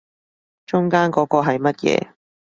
中間嗰個係乜嘢